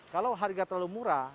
kalau harga terlalu murah